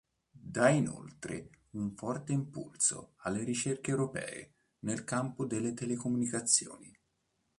Dà inoltre un forte impulso alle ricerche europee nel campo delle telecomunicazioni.